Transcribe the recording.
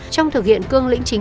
trong thực hiện cương lĩnh chính